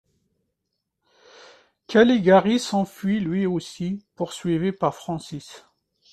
Caligari s'enfuit lui aussi, poursuivi par Francis.